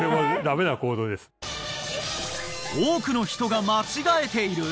多くの人が間違えている！？